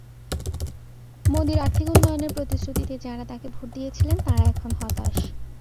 মোদির আর্থিক উন্নয়নের প্রতিশ্রুতিতে যাঁরা তাঁকে ভোট দিয়েছিলেন, তাঁরা এখন হতাশ।